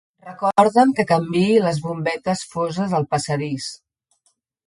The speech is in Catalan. Recorda'm que canviï les bombetes foses del passadís